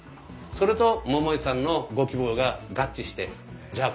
それと桃井さんのご希望が合致してじゃあ